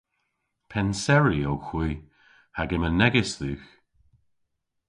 Pennseri owgh hwi hag yma negys dhywgh.